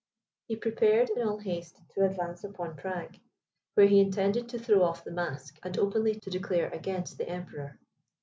He prepared, in all haste, to advance upon Prague, where he intended to throw off the mask, and openly to declare against the Emperor.